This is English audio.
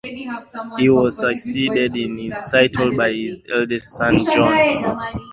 He was succeeded in his titles by his eldest son John.